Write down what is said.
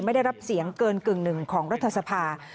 ไม่ได้รับเสียงเกินกึ่งหนึ่งของรัฐสภา